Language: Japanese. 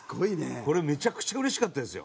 これめちゃくちゃうれしかったですよ。